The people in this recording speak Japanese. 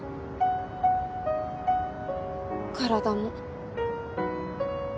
体も。